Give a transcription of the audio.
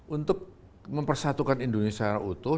untuk mempersatukan indonesia secara utuh